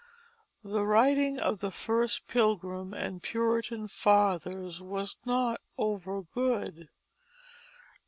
The writing of the first Pilgrim and Puritan fathers was not over good.